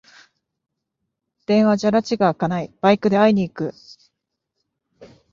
電話じゃらちがあかない、バイクで会いに行く